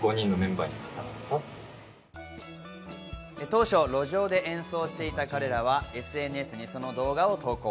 当初、路上で演奏していた彼らは、ＳＮＳにその動画を投稿。